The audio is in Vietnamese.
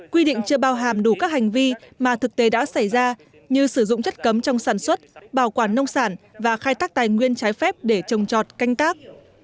quy định chưa bao hàm đủ các hành vi mà thực tế đã xảy ra như sử dụng chất cấm trong sản xuất bảo quản nông sản và khai thác tài nguyên trái phép để trồng trọt canh tác